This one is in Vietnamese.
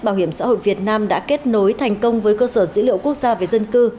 bảo hiểm xã hội việt nam đã kết nối thành công với cơ sở dữ liệu quốc gia về dân cư